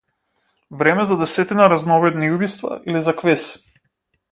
Време за десетина разновидни убиства или за квиз?